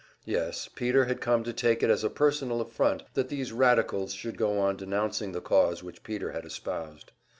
Yes, Peter had come to take it as a personal affront that these radicals should go on denouncing the cause which Peter had espoused.